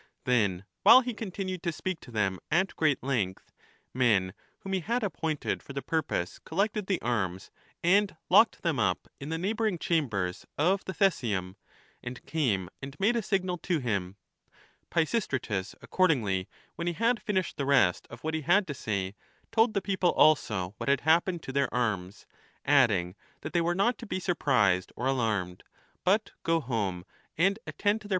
Then, while he continued to speak to them at great length, men whom he had ap pointed for the purpose collected the arms and locked them up in the neighbouring chambers of the Theseum, and came and made a signal to him. Pisistratus accordingly, when he had finished the rest of what he had to say, told the people also what had happened to their arms ; adding that they were not to be surprised or alarmed, but go home and attend to their CH.